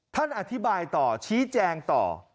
ท่านอธิบายต่อชี้แจงต่อ